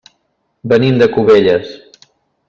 Venim de Cubelles.